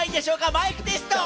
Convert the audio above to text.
マイクテスト！